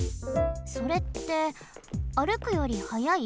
それって歩くより速い？